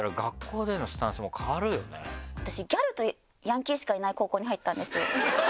私ギャルとヤンキーしかいない高校に入ったんですよ。